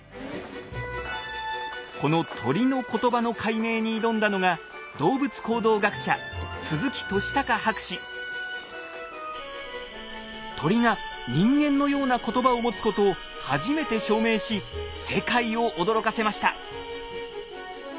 この鳥の言葉の解明に挑んだのが動物行動学者鳥が人間のような言葉を持つことを初めて証明し世界を驚かせました。